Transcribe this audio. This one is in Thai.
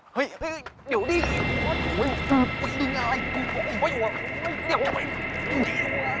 เฮ้ยเฮ้ยเดี๋ยวดิ